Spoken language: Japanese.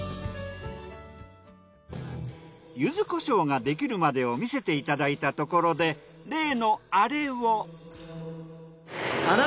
柚子胡椒ができるまでを見せていただいたところで例のアレを。